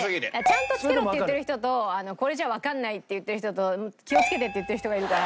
「ちゃんとつけろ」って言ってる人と「これじゃわかんない」って言ってる人と「気を付けて」って言ってる人がいるから。